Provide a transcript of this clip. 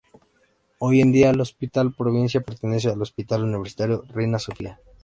Hoy día el Hospital Provincial pertenece al Hospital Universitario Reina Sofía.